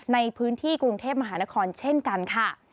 ในพื้นที่กรุงเทพมหานครเช่นกันค่ะ